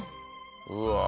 うわ。